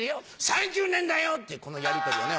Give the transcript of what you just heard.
「３０年だよ！」っていうこのやりとりをね